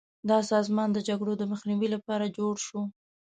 دا سازمان د جګړو د مخنیوي لپاره جوړ شو.